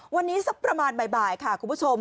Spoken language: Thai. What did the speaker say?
วันนี้สักประมาณบ่ายค่ะคุณผู้ชม